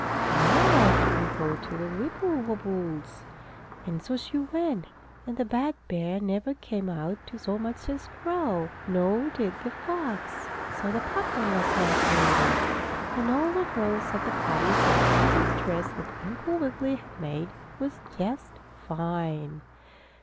"Now I can go to the Wibblewobbles!" And so she went, and the bad bear never came out to so much as growl, nor did the fox, so the popgun was not needed. And all the girls at the party thought Susie's dress that Uncle Wiggily had made was just fine.